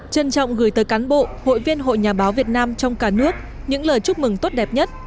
trân trọng gửi tới cán bộ hội viên hội nhà báo việt nam trong cả nước những lời chúc mừng tốt đẹp nhất